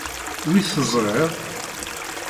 Wi teẓṛiḍ?